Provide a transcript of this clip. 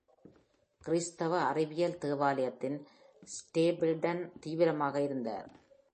கிறிஸ்தவ அறிவியல் தேவாலயத்தில் ஸ்டேபிள்டன் தீவிரமாக இருந்தார்.